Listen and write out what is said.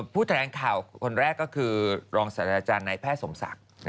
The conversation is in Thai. แถลงข่าวคนแรกก็คือรองศาสตราจารย์นายแพทย์สมศักดิ์